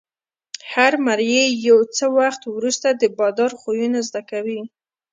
هر مریی یو څه وخت وروسته د بادار خویونه زده کوي.